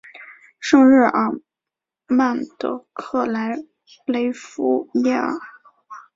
圣日尔曼德克莱雷弗伊尔。